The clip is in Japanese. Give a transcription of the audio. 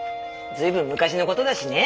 随分昔の事だしね。